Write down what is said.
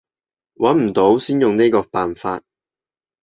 揾唔到先用呢個辦法